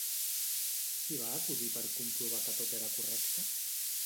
Qui va acudir per comprovar que tot era correcte?